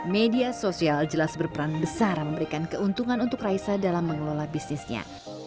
media sosial jelas berperan besar memberikan keuntungan untuk raisa dalam mengelola bisnisnya